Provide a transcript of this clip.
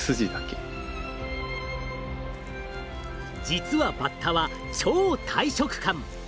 実はバッタは超大食漢。